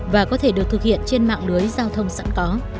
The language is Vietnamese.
và có thể được thực hiện trên mạng lưới giao thông sẵn có